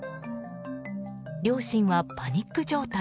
両親はパニック状態。